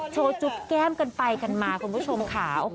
โชว์จุ๊บแก้มกันไปคุณผู้ชมค่ะ